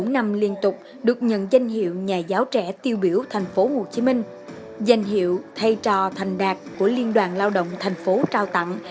bốn năm liên tục được nhận danh hiệu nhà giáo trẻ tiêu biểu thành phố hồ chí minh danh hiệu thay trò thành đạt của liên đoàn lao động thành phố trao tặng